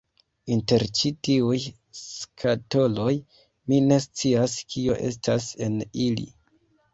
Inter ĉi tiuj skatoloj, mi ne scias kio estas en ili